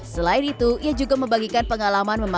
selain itu ia juga membagikan pengalaman